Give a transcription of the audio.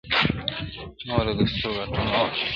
مه وله د سترگو اټوم مه وله.